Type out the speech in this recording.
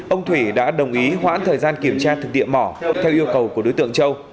ông thủy đã đồng ý hoãn thời gian kiểm tra thực địa mỏ theo yêu cầu của đối tượng châu